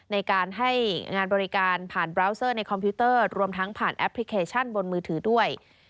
ในการให้งานบริการผ่านบราวเซอร์ในคอมพิวเตอร์รวมทั้งผ่านแอปพลิเคชันบนมือถือด้วย